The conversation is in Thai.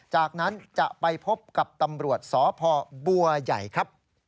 จากนั้นจะไปพบกับตำรวจสพบัวใหญ่ครับ